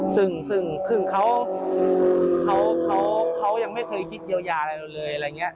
ซึ่งเขายังไม่เคยคิดเยียวยาใดเลย